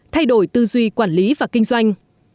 thay đổi tư duy quản lý và kinh doanh